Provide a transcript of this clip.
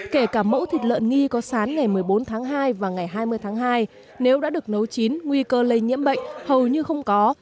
kể cả mẫu thịt lợn nghi có sán ngày một mươi bốn tháng hai và ngày hai mươi tháng hai nếu đã được nấu chín nguy cơ lây nhiễm bệnh hầu như không có